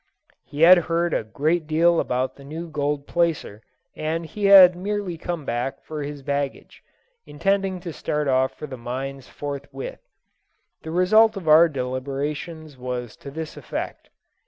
He had heard a great deal about the new gold placer, and he had merely come back for his baggage, intending to start off for the mines forthwith. The result of our deliberations was to this effect.